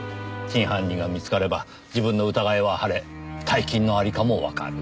真犯人が見つかれば自分の疑いは晴れ大金の在りかもわかる。